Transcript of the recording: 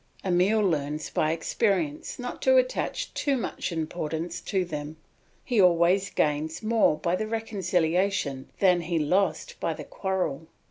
Emile learns by experience not to attach too much importance to them, he always gains more by the reconciliation than he lost by the quarrel.